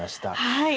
はい。